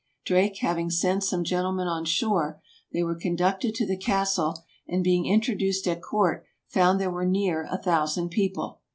Drake having sent some gentlemen on shore, they were con ducted to the castle, and being introduced at court found there were near a thousand people.